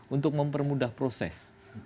untuk mempermudah proses